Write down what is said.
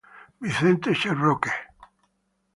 Vincent Sherbrooke.